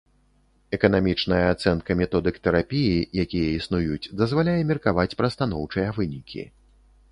Эканамічная ацэнка методык тэрапіі, якія існуюць, дазваляе меркаваць пра станоўчыя вынікі.